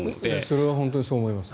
それは本当にそう思います。